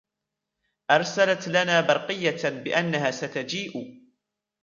أرسلت لنا برقيةً بأنها ستجيء.